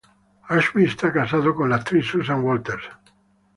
Ashby está casado con la actriz Susan Walters.